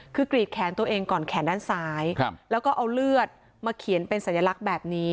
คือกรีดแขนตัวเองก่อนแขนด้านซ้ายแล้วก็เอาเลือดมาเขียนเป็นสัญลักษณ์แบบนี้